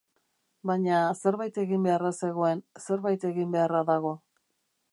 Baina zerbait egin beharra zegoen, zerbait egin beharra dago.